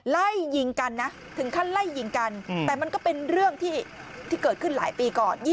ไล่ยิงกันนะถึงขั้นไล่ยิงกันแต่มันก็เป็นเรื่องที่เกิดขึ้นหลายปีก่อน